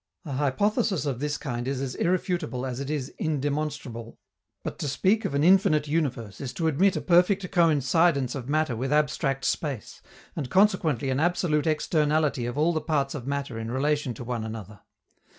A hypothesis of this kind is as irrefutable as it is indemonstrable; but to speak of an infinite universe is to admit a perfect coincidence of matter with abstract space, and consequently an absolute externality of all the parts of matter in relation to one another.